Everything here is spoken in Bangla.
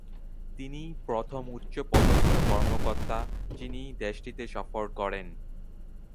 তিনিই প্রথম উচ্চপদস্থ কর্মকর্তা যিনি দেশটিতে সফর করেন।